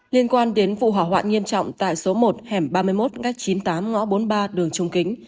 liên quan đến vụ hỏa hoạn nghiêm trọng tại số một hẻm ba mươi một ngách chín mươi tám ngõ bốn mươi ba đường trung kính